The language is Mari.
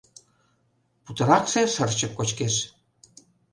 Путыракше шырчык кочкеш.